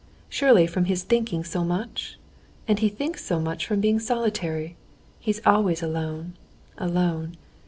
Surely from his thinking so much? And he thinks so much from being solitary. He's always alone, alone.